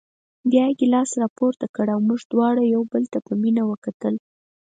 بیا یې ګیلاس راپورته کړ او موږ دواړو یو بل ته په مینه وکتل.